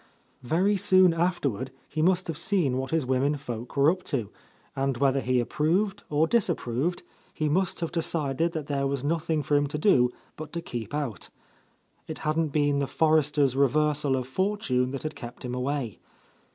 Very soon afterward he l?o — A Lost Lady must have seen what his women folk were up to ; and whether he approved or disapproved, he must have decided that there was, nothing for him to do but to keep out. It hadn't been the Forresters' reversal of fortune that had kept him away.